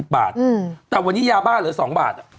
บาทแต่วันนี้ยาบ้าเหลือ๒บาท